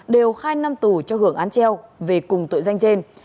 đều hai năm tù cho hưởng án treo về cùng tội danh trên